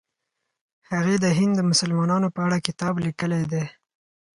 هغې د هند د مسلمانانو په اړه کتاب لیکلی دی.